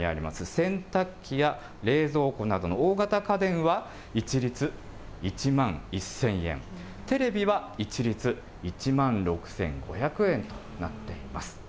洗濯機や冷蔵庫などの大型家電は、一律１万１０００円、テレビは一律１万６５００円となっています。